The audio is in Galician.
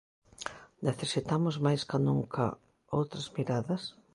Necesitamos máis ca nunca outras miradas?